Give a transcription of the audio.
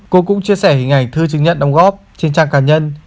cô cũng chia sẻ hình ảnh thư chứng nhận đóng góp trên trang cá nhân